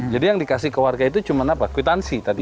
jadi yang dikasih ke warga itu cuma apa kuitansi tadi